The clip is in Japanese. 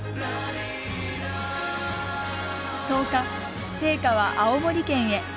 １０日、聖火は青森県へ。